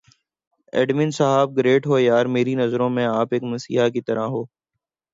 admin صاحب great ہو یار میری نظروں میں آپ ایک مسیحا کی طرح ہوں